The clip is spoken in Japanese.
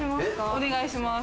お願いします。